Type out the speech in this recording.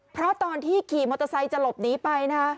เพราะตอนที่ขี่มอเตอร์ไซค์จะหลบหนีไปนะ